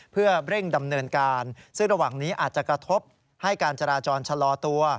เพื่อเร่งดำเนินการซึ่งระหว่างนี้อาจจะกระทบให้การจราจรชะลอตัว